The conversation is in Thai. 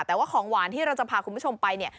แต่ว่าของหวานที่เราจะพาคุณผู้ชมไปเนี่ย